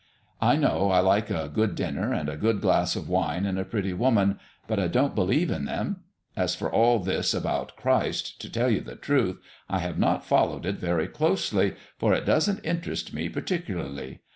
I know I like a good dinner and a good glass of wine and a pretty woman, but I don't believe in them. As for all this about Christ, to tell you the truth, I have not followed it very closely, for it doesn't interest me particularly.